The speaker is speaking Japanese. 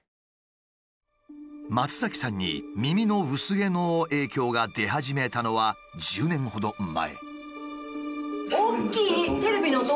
松崎さんに耳の薄毛の影響が出始めたのは１０年ほど前。